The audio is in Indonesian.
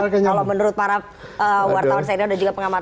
kalau menurut para wartawan saya dan juga pengamatan